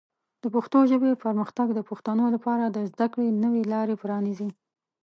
د پښتو ژبې پرمختګ د پښتنو لپاره د زده کړې نوې لارې پرانیزي.